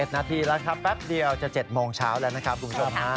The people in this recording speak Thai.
นาทีแล้วครับแป๊บเดียวจะ๗โมงเช้าแล้วนะครับคุณผู้ชมฮะ